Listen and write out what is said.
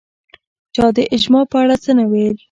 چا د اجماع په اړه څه نه ویل